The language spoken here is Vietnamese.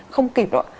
không kịp đâu